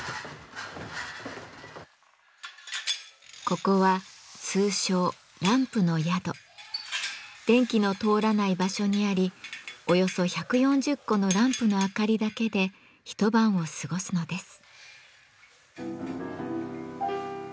ここは通称電気の通らない場所にありおよそ１４０個のランプのあかりだけで一晩を過ごすのです。